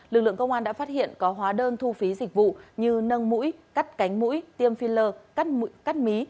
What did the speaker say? lực lượng công an đã phát hiện có hóa đơn thu phí dịch vụ như nâng mũi cắt cánh mũi tiêm filler cắt mí